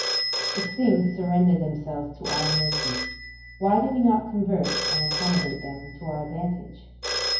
If things surrender themselves to our mercy, why do we not convert and accommodate them to our advantage?